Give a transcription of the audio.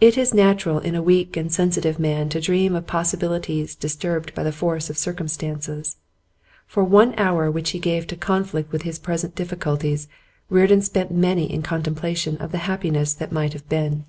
It is natural in a weak and sensitive man to dream of possibilities disturbed by the force of circumstance. For one hour which he gave to conflict with his present difficulties, Reardon spent many in contemplation of the happiness that might have been.